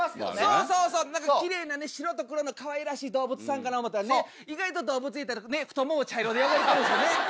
そうそうそう奇麗なね白と黒のかわいらしい動物さんかな思うたらね意外と動物園行ったらね太もも茶色で汚れてるんですよね。